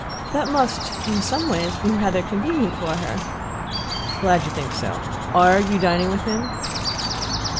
"That must in some ways be rather convenient for her!" "Glad you think so. ARE you dining with him?"